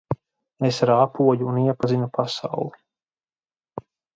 Es rāpoju un iepazinu pasauli.